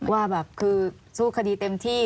ว่าแบบคือสู้คดีเต็มที่